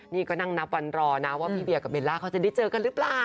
นี่ก็นั่งนับวันรอนะว่าพี่เวียกับเบลล่าเขาจะได้เจอกันหรือเปล่า